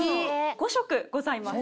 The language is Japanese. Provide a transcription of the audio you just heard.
５色ございます。